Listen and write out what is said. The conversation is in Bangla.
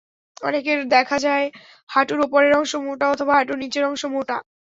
অনেকের দেখা যায় হাঁটুর ওপরের অংশ মোটা অথবা হাঁটুর নিচের অংশ মোটা।